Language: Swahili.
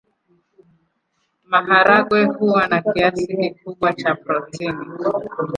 Maharagwe huwa na kiasi kikubwa cha protini.